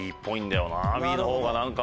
Ｂの方が何か。